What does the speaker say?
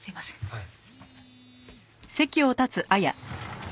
はい。